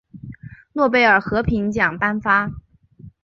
诺贝尔和平奖颁发。